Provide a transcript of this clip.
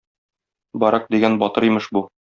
Барак дигән батыр имеш бу.